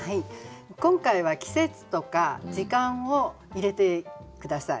今回は季節とか時間を入れて下さい。